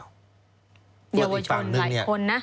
คุณผู้ชมหลายคนนะ